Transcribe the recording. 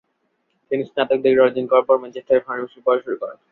তিনি স্নাতক ডিগ্রি অর্জন করার পর ম্যানচেস্টারে ফার্মেসি পড়া শুরু করেন।